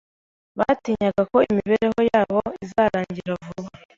Batinyaga ko imibereho yabo izarangira vuba.